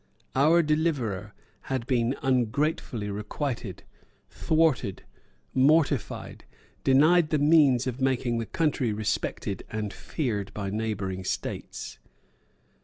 Our deliverer had been ungratefully requited, thwarted, mortified, denied the means of making the country respected and feared by neighbouring states.